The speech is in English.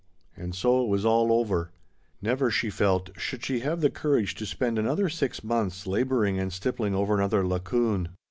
And so it was all over ! Never, she felt, should she have the courage to spend another six months labouring and stippling over another Laocoon.